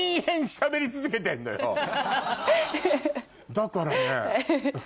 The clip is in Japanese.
だからね。